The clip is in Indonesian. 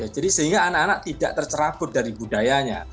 jadi sehingga anak anak tidak tercerabut dari budayanya